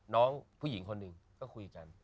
น้องผู้หญิงคนหนึ่งก็คุยกัน